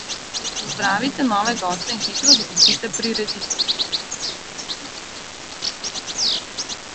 Pozdravite nove goste in hitro zapustite prireditev.